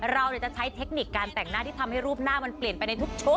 เราจะใช้เทคณิคการแต่งหน้าที่ทำให้รูปหน้าไงก็เป็นให้ทุกชุด